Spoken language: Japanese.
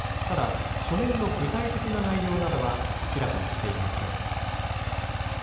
ただ、書面の具体的な内容などは明らかにしていません。